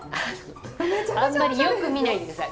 あんまりよく見ないで下さい。